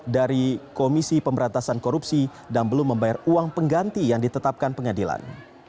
dari komisi pemberantasan korupsi dan belum membayar uang pengganti yang ditetapkan pengadilan